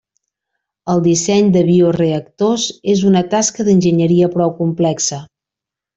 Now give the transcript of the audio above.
El disseny de bioreactors és una tasca d'enginyeria prou complexa.